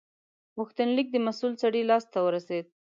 غوښتنلیک د مسول سړي لاس ته ورسید.